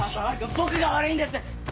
僕が悪いんです！